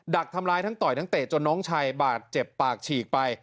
ดักทำร้ายทั้งต่อยทั้งเตะจนน้องชายบาดเจ็บปากฉีกไป